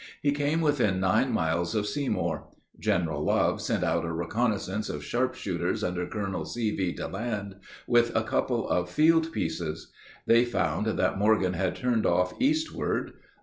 He came within nine miles of Seymour. General Love sent out a reconnaissance of sharpshooters under Colonel C.V. De Land, with a couple of field pieces. They found that Morgan had turned off eastward.